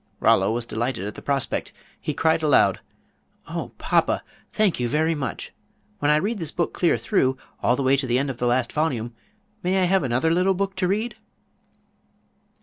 Rollo was delighted at the prospect. He cried aloud: "Oh, papa! thank you very much. When I read this book clear through, all the way to the end of the last volume, may I have another little book to read?"